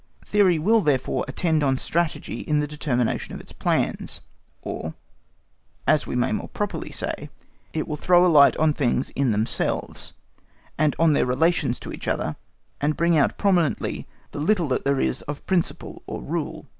Theory will therefore attend on Strategy in the determination of its plans, or, as we may more properly say, it will throw a light on things in themselves, and on their relations to each other, and bring out prominently the little that there is of principle or rule.